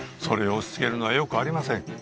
それを押しつけるのは良くありません。